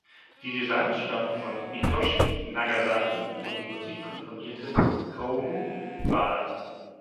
Die Designs stammen von Hitoshi Nagasaki und die Musik komponierte Kaoru Wada.